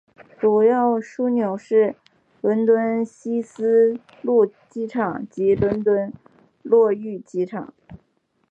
主要枢纽是伦敦希斯路机场及伦敦格域机场。